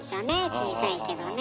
小さいけどね。